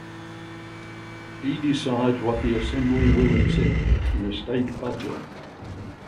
He decides what the Assembly will accept in a state budget.